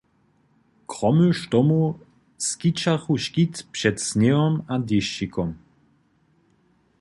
Króny štomow skićachu škit před sněhom a dešćikom.